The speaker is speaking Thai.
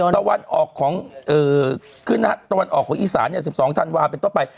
ตะวันออกของขึ้นตะวันออกของอีสาน๑๒ธันวาเป็นต้นไป